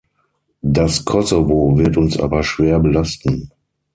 Das Kosovo wird uns aber schwer belasten.